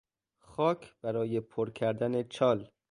خاک برای پر کردن چال